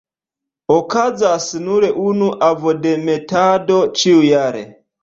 Okazas nur unu ovodemetado ĉiujare.